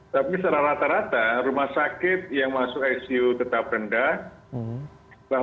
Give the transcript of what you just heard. tapi secara rata rata rumah sakit yang masuk icu tetap rendah